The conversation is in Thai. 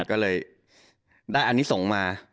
ก็เลยได้อันนี้ส่งมา